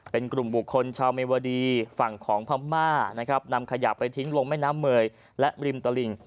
เป็นกลุ่มบุคคลชาวเมวดีฝั่งของพม่านะครับนำขยะไปทิ้งลงแม่น้ำเมยและริมตลิ่ง